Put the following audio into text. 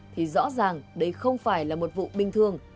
thì rõ ràng đây không phải là một vụ bình thường